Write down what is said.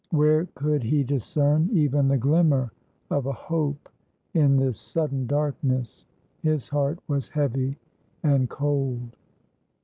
Where could he discern even the glimmer of a hope in this sudden darkness? His heart was heavy and cold.